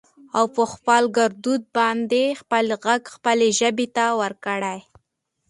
او په خپل ګردود باندې خپل غږ خپلې ژبې ته ورکړٸ